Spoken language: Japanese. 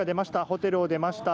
ホテルを出ました。